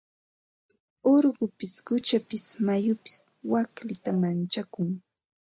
Urqupis quchapis mayupis waklita manchakun.